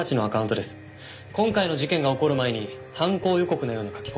今回の事件が起こる前に犯行予告のような書き込みを。